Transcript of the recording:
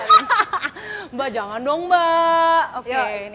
mbak jangan dong mbak